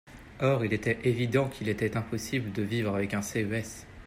Or il était évident qu’il était impossible de vivre avec un CES.